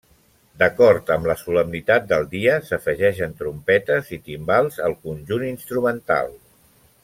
D'acord amb la solemnitat del dia, s'afegeixen trompetes i timbals al conjunt instrumental.